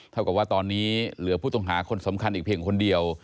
เท่ากับว่าตอนนี้เหลือผู้ต้องหาคนสำคัญอีกเพียงคนเดียว